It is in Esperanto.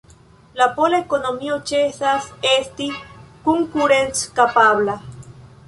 La pola ekonomio ĉesas esti konkurenckapabla.